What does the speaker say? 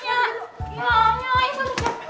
nyalain dulu nya